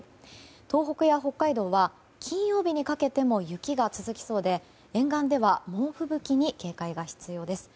東北や北海道は金曜日にかけても雪が続きそうで沿岸では猛吹雪に警戒が必要です。